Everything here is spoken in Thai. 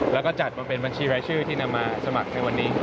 แล้วก็จัดมาเป็นบัญชีรายชื่อที่นำมาสมัครในวันนี้